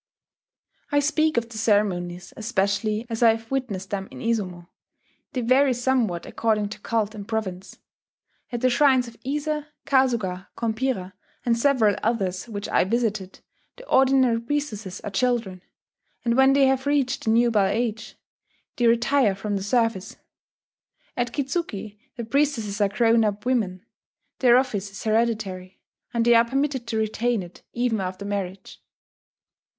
I speak of the ceremonies especially as I have witnessed them in Izumo: they vary somewhat according to cult and province. At the shrines of Ise, Kasuga, Kompira, and several others which I visited, the ordinary priestesses are children; and when they have reached the nubile age, they retire from the service. At Kitzuki the priestesses are grown up women: their office is hereditary; and they are permitted to retain it even after marriage.